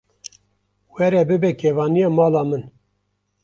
Were bibe kevaniya mala min.